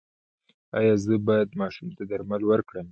ایا زه باید ماشوم ته درمل ورکړم؟